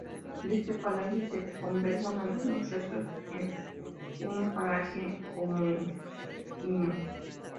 De este palacio se conservan algunos restos en un paraje homónimo.